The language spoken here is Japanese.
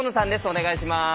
お願いします。